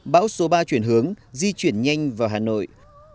bão số ba chuyển hướng di chuyển nhanh vào hà nội